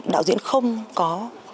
đạo diễn không có